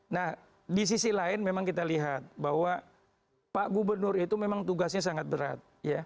nah di sisi lain memang kita lihat bahwa pak gubernur itu memang tugasnya sangat berat